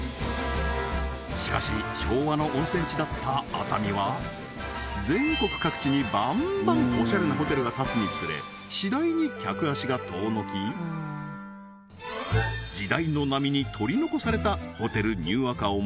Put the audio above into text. しかし昭和の温泉地だった熱海は全国各地にバンバンオシャレなホテルが建つにつれ次第に客足が遠のき時代の波に取り残されたホテルニューアカオも